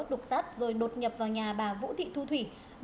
lục xắt rồi đột nhập vào nhà bà vũ thị thu thủy